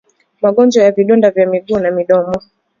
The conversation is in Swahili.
Magonjwa ya vidonda vya miguu na midomo